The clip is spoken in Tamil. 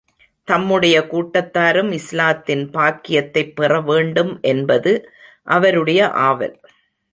தம்முடைய கூட்டத்தாரும் இஸ்லாத்தின் பாக்கியத்தைப் பெற வேண்டும் என்பது அவருடைய ஆவல்.